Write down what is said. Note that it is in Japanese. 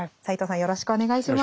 よろしくお願いします。